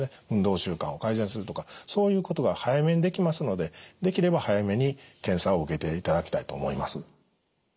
運動習慣を改善するとかそういうことが早めにできますのでできれば早めに検査を受けていただきたいと思います。